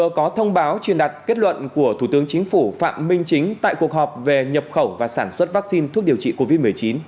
vừa có thông báo truyền đặt kết luận của thủ tướng chính phủ phạm minh chính tại cuộc họp về nhập khẩu và sản xuất vaccine thuốc điều trị covid một mươi chín